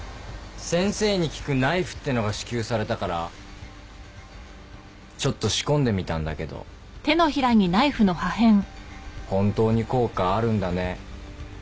先生に効くナイフってのが支給されたからちょっと仕込んでみたんだけど本当に効果あるんだね